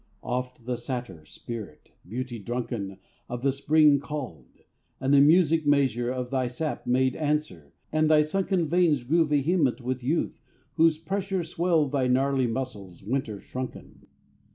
Oft the satyr spirit, beauty drunken, Of the Spring called; and the music measure Of thy sap made answer; and thy sunken Veins grew vehement with youth, whose pressure Swelled thy gnarly muscles, winter shrunken.